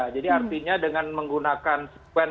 jadi artinya dengan menggunakan sequence